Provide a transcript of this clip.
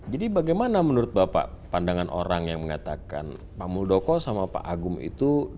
jadi bagaimana menurut bapak pandangan orang yang mengatakan pak muldoko sama pak agung itu